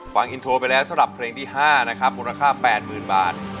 ฟังอินโทรไปแล้วสำหรับเพลงที่๕นะครับมูลค่า๘๐๐๐บาท